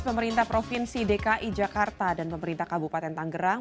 pemerintah provinsi dki jakarta dan pemerintah kabupaten tanggerang